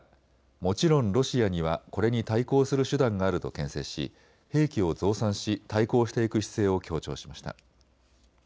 もちろんロシアにはこれに対抗する手段があるとけん制し兵器を増産し対抗していく姿勢を強調しました。